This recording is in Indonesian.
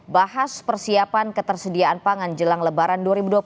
bahas persiapan ketersediaan pangan jelang lebaran dua ribu dua puluh